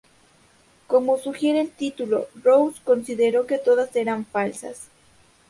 Como sugiere el título, Rose consideró que todas eran falsas.